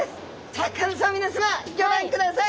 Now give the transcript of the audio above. シャーク香音さま皆さまギョ覧ください